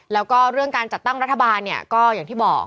แล้วก็เรื่องการจัดตั้งรัฐบาลเนี่ยก็อย่างที่บอก